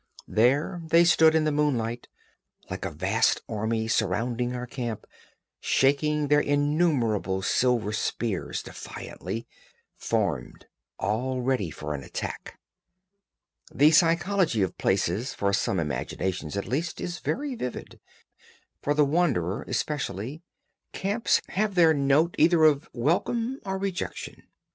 There they stood in the moonlight, like a vast army surrounding our camp, shaking their innumerable silver spears defiantly, formed all ready for an attack. The psychology of places, for some imaginations at least, is very vivid; for the wanderer, especially, camps have their "note" either of welcome or rejection.